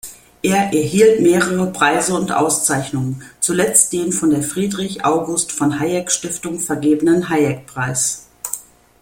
Er erhielt mehrere Preise und Auszeichnungen, zuletzt den von der Friedrich-August-von-Hayek-Stiftung vergebenen Hayek-Preis.